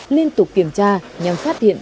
liên tục kiểm tra nhằm phát hiện